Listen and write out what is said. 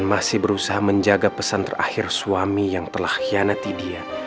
masih berusaha menjaga pesan terakhir suami yang telah hianati dia